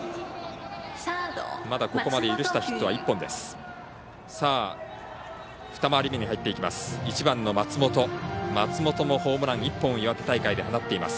まだここまで許したヒットは１本です。